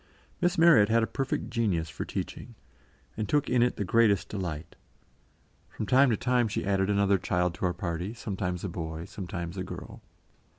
Miss Marryat had a perfect genius for teaching, and took in it the greatest delight. From time to time she added another child to our party, sometimes a boy, sometimes a girl.